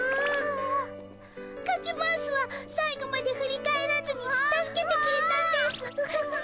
カズマウスは最後まで振り返らずに助けてくれたんですぅ。